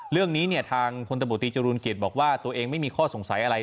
เรื่องนี้เนี่ยทางพลตบตีจรูลเกียจบอกว่าตัวเองไม่มีข้อสงสัยอะไร